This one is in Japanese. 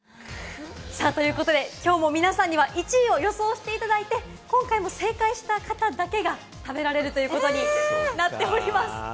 きょうも皆さんには１位を予想していただいて、今回も正解した方だけが食べられるということになっております。